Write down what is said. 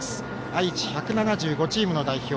愛知１７５チームの代表